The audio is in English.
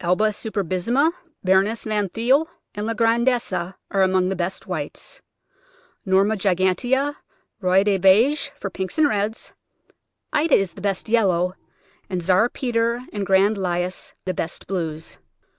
Alba superbissima, Baroness Van Thuyl, and La Grandesse are among the best whites; Norma gigantea, Roi des Beiges for pinks and reds; Ida is the best yellow; and Czar Peter and Grand Lilas the best blues.